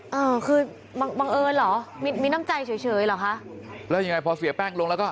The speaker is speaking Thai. เออคือบังบังเอิญเหรอมีมีน้ำใจเฉยเฉยเหรอคะแล้วยังไงพอเสียแป้งลงแล้วก็